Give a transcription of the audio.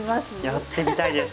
やってみたいです！